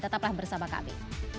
tetaplah bersama kami